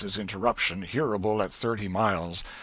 X.'s interruption, hearable at thirty miles.